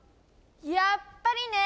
やっぱりね！